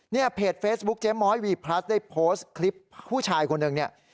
เพจเฟซบุ๊คเจ๊ม้อยวีพลัสได้โพสต์คลิปผู้ชายคนหนึ่งเนี่ย